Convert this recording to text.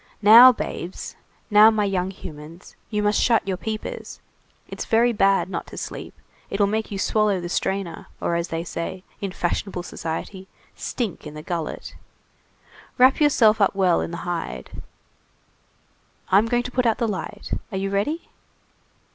Now, babes, now, my young humans, you must shut your peepers. It's very bad not to sleep. It'll make you swallow the strainer, or, as they say, in fashionable society, stink in the gullet. Wrap yourself up well in the hide! I'm going to put out the light. Are you ready?"